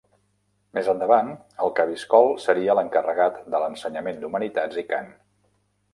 Més endavant, el cabiscol seria l'encarregat de l'ensenyament d'humanitats i cant.